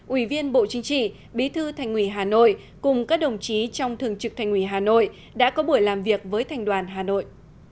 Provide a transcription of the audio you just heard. ủy viên bộ chính trị bí thư thành ủy hà nội cùng các đồng chí trong thường trực thành ủy hà nội đã có buổi làm việc với thành đoàn hà nội